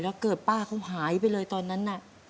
แล้วเกิดป้าเขาหายไปเลยตอนนั้นน่ะ